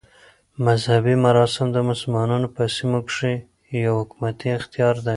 مذهبي مراسم د مسلمانانو په سیمو کښي یو حکومتي اختیار دئ.